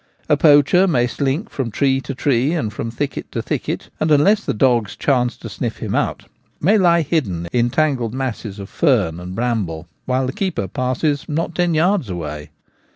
A poacher may slink from tree to tree and from thicket to thicket* and, unless the dogs chance to sniff him out, may lie hidden in tangled masses of fern and bramble, while the keeper passes not ten yards away.